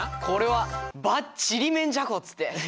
これはばっちりめんじゃこっつって。